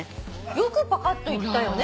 よくパカッといったよね。